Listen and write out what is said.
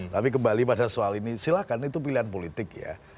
tapi kembali pada soal ini silahkan itu pilihan politik ya